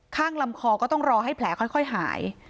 ลำคอก็ต้องรอให้แผลค่อยหาย